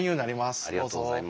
ありがとうございます。